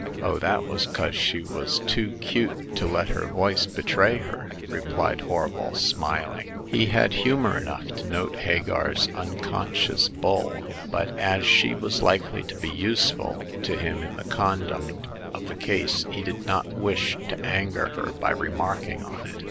Oh, that was 'cause she was too 'cute to let her voice betray her/' replied HorvaJ^, smiling. He had humor enough to note Hagar*s uncon scious bull ; but as she was likely to be useful to him in the conduct of the case, he did not wish to anger her by remarking on it.